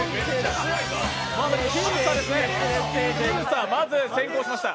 僅差ですね、まず先攻しました。